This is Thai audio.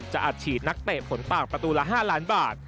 อัดฉีดนักเตะผลปากประตูละ๕ล้านบาท